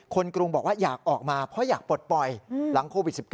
กรุงบอกว่าอยากออกมาเพราะอยากปลดปล่อยหลังโควิด๑๙